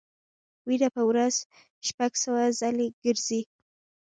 وینه په ورځ شپږ سوه ځلې ګرځي.